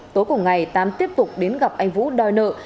tối cùng ngày tám tiếp tục đến gặp anh vũ đòi nợ